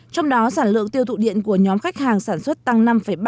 trong đó sản lượng tiêu thụ điện của nhóm khách hàng sản xuất tăng năm ba mươi